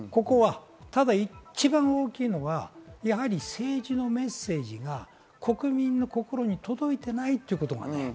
一番大きいのは政治のメッセージが国民の心に届いていないということ。